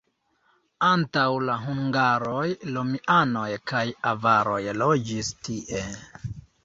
Antaŭ la hungaroj romianoj kaj avaroj loĝis tie.